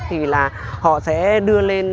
thì là họ sẽ đưa lên